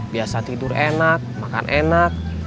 biasa tidur enak makan enak